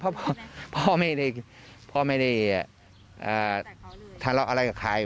ไม่เอาเรื่องเพราะพ่อไม่ได้ทะเลาะอะไรกับใคร